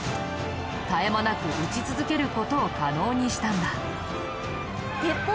絶え間なく撃ち続ける事を可能にしたんだ。